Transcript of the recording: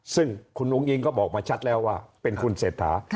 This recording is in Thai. ซึ่งคุณอุ้งอิงก็บอกมาชัดแล้วว่าเป็นคุณเศรษฐา